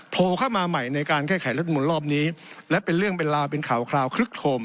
โผล่เข้ามาใหม่ในการแก้ไขรัฐมนุนรอบนี้และเป็นเรื่องเป็นราวเป็นข่าวคราวคลึกโครม